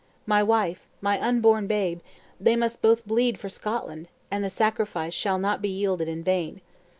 My wife, my unborn babe, they must both bleed for Scotland! and the sacrifice shall not be yielded in vain.